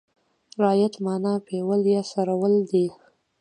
رعیت معنا یې پېول یا څرول دي.